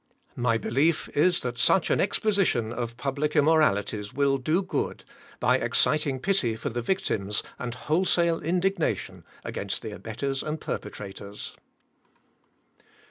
My belief is that such an exposition of public immoralities will do good, by exciting pity for the victims and wholesale indignation against the abettors and perpetrators.